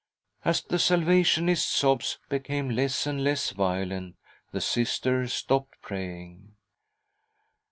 As the Salvationist's sobs became less and less violent, the Sister stopped praying.